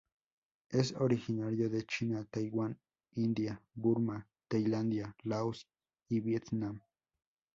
Es originario de China, Taiwán, India, Burma, Tailandia, Laos y Vietnam.